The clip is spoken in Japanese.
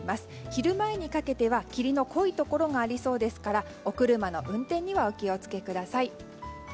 昼前にかけては霧の濃いところがありそうですからお車の運転にはお気を付けください。